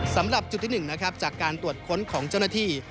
สำหรับจุดที่๑นะครับจากการตรวจค้นของเจ้าหน้าที่